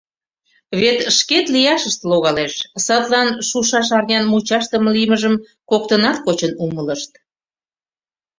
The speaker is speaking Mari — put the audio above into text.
Вет шкет лияшышт логалеш, садлан шушаш арнян мучашдыме лиймыжым коктынат кочын умылышт.